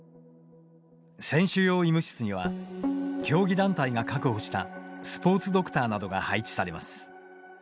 選手用医務室には、競技団体が確保したスポーツドクターなどが配置されます。